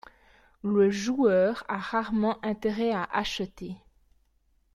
Le joueur a rarement intérêt à acheter.